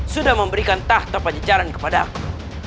sudah memberikan tahta pajejaran kepada aku